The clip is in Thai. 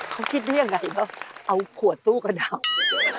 เขาคิดว่าอย่างไรเขาเอาขวดสู้กับดาบ